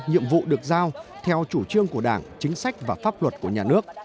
nhiệm vụ được giao theo chủ trương của đảng chính sách và pháp luật của nhà nước